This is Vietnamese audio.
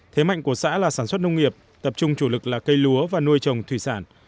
thế mạnh của xã là sản xuất nông nghiệp tập trung chủ lực là cây lúa và nuôi trồng thủy sản